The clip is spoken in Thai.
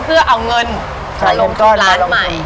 เพื่อเอาเงินมาลงโทษร้านใหม่